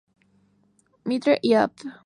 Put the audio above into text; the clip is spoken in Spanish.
Mitre y Av.